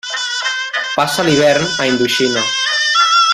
Passa l'hivern a Indoxina.